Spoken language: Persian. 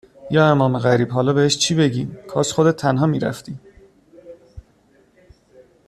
یا امام غریب! حالا بهش چی بگیم؟ کاش خودت تنها میرفتی!